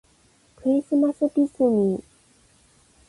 クリスマスディズニー